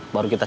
baru kita cari